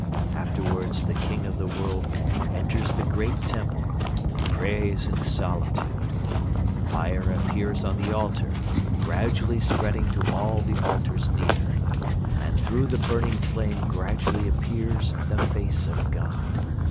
Afterwards the King of the World enters the great temple and prays in solitude. Fire appears on the altar, gradually spreading to all the altars near, and through the burning flame gradually appears the face of God.